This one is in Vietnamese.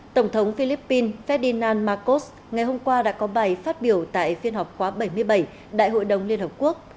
tổng thống philippines ferdinan marcos ngày hôm qua đã có bài phát biểu tại phiên họp khóa bảy mươi bảy đại hội đồng liên hợp quốc